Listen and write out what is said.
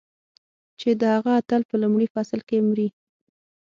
چې د هغه اتل په لومړي فصل کې مري.